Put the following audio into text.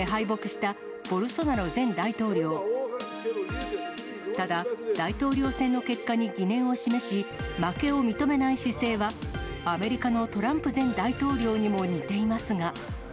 ただ、大統領選の結果に疑念を示し、負けを認めない姿勢は、アメリカのトランプ前大統領にも似ていますが。